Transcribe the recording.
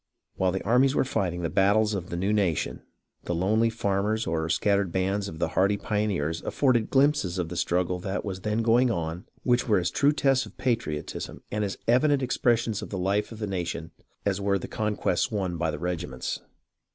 While the armies were fighting the battles of the new nation, the lonely farmers or the scat tered bands of the hardy pioneers afforded glimpses of the struggle that was then going on which were as true tests of patriotism and as evident expressions of the life of the nation as were the conquests won by the regiments.